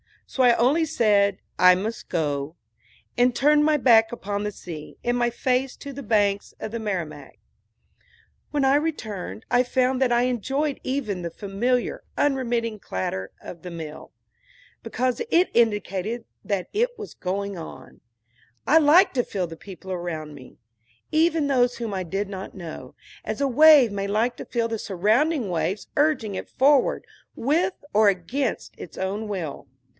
So I only said "I must go," and turned my back upon the sea, and my face to the banks of the Merrimack. When I returned I found that I enjoyed even the familiar, unremitting clatter of the mill, because it indicated that something was going on. I liked to feel the people around me, even those whom I did not know, as a wave may like to feel the surrounding waves urging it forward, with or against its own will.